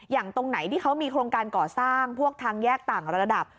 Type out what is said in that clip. ตรงไหนที่เขามีโครงการก่อสร้างพวกทางแยกต่างระดับ